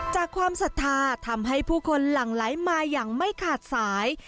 ความศรัทธาทำให้ผู้คนหลั่งไหลมาอย่างไม่ขาดสาย